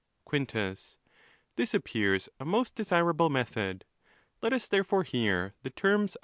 Quintus.—This appears a most desirable method : lot us therefore hear the terms of the law.